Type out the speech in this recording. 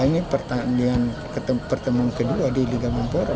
ini pertandingan pertemuan kedua di liga menpora